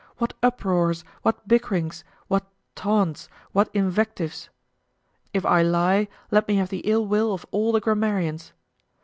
what uproars, what bickerings, what taunts, what invectives! If I lie, let me have the ill will of all the grammarians.